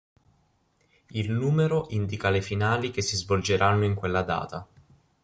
Il numero indica le finali che si svolgeranno in quella data.